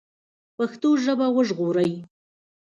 پښتو ژبه وژغورئ